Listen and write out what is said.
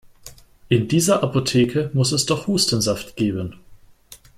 In dieser Apotheke muss es doch Hustensaft geben!